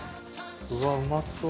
うわうまそう。